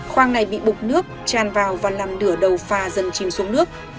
khoang này bị bục nước tràn vào và làm nửa đầu phà dần chìm xuống nước